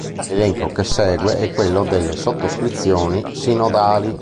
L'elenco che segue è quello delle sottoscrizioni sinodali.